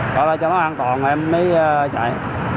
cỏ lại cho nó an toàn rồi em mới chạy